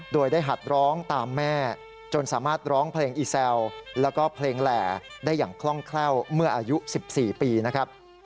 โดยได้หัดร้องตามแม่จนสามารถร้องเพลงอีแซวแล้วก็เพลงแหล่ได้อย่างคล่องแคล่วเมื่ออายุ๑๔ปีนะครับ